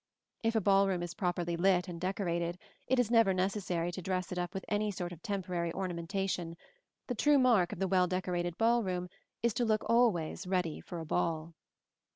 If a ball room be properly lit and decorated, it is never necessary to dress it up with any sort of temporary ornamentation: the true mark of the well decorated ball room is to look always ready for a ball.